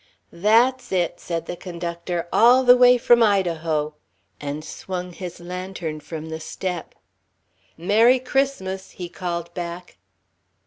"That's it!" said the conductor. "All the way from Idaho!" and swung his lantern from the step. "Merry Christmas!" he called back.